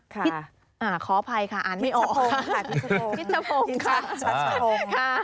ค่ะขออภัยค่ะอันนี้ออกค่ะพิชชะพงค่ะพิชชะพงค่ะพิชชะพงค่ะ